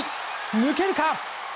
抜けるか。